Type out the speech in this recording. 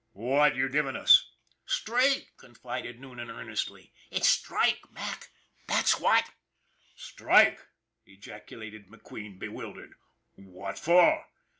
"What you giving us?" "Straight," confided Noonan earnestly. "It's strike, Mac, that's what." " Strike !" ejaculated McQueen, bewildered. " What for?"